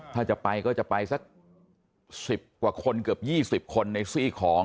ถ้าจะไปก็จะไปสัก๑๐กว่าคนเกือบ๒๐คนในซี่ของ